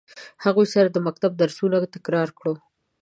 هغوی سره د مکتب درسونه تکرار کړو.